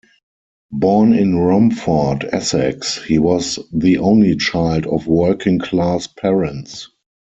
Born in Romford, Essex, he was the only child of working-class parents.